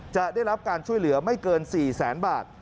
จะได้รับการช่วยเหลือไม่เกิน๔แสนบาท